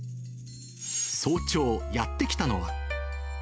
早朝、やって来たのは。